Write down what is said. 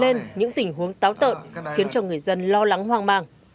điều này còn dựng lên những tình huống táo tợn khiến cho người dân lo lắng hoang mang